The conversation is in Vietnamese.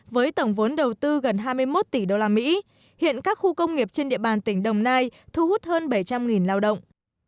với tổng vốn đầu tư gần hai mươi một tỷ usd hiện các khu công nghiệp trên địa bàn tỉnh đồng nai thu hút hơn bảy trăm linh lao động